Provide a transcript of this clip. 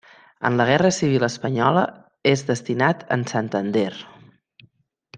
En la Guerra Civil Espanyola és destinat en Santander.